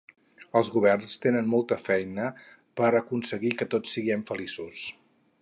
Els governs tenen molta feina per aconseguir que tots siguem feliços.